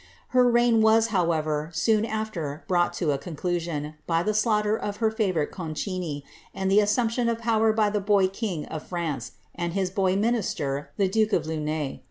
Her reign was, however, soon after brought to a conclusion, by the slaughter of her favourite Concini, and the assumption of power by the boy king of France and his boy minister, the duke of Luynes.